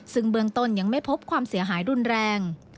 ซึ่งเบื้องต้นยังไม่พบความเสียหายรุนแรง